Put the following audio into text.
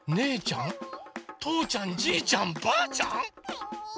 とーちゃんじーちゃんばーちゃん？